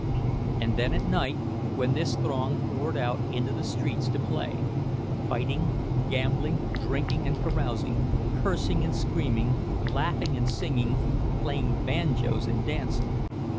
And then at night, when this throng poured out into the streets to play—fighting, gambling, drinking and carousing, cursing and screaming, laughing and singing, playing banjoes and dancing!